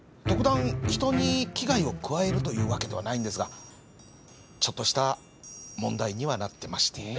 特段人に危害を加えるというわけではないんですがちょっとした問題にはなってまして。